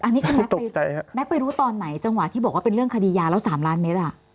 อันนี้คือแม็กซไปรู้ตอนไหนจังหวะที่บอกว่าเป็นเรื่องคดียาแล้ว๓ล้านเมตร